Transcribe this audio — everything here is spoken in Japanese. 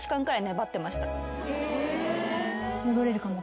戻れるかもって？